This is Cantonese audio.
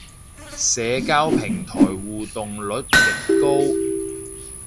社交平台互動率極高